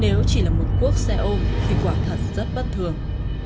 nếu chỉ là một cuốc xe ôm thì quả thật rất bất thường